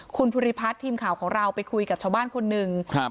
คุณภูริพัฒน์ทีมข่าวของเราไปคุยกับชาวบ้านคนหนึ่งครับ